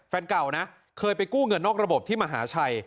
แฟนเก่านะเคยไปกู้เงินนอกระบบที่มหาชัย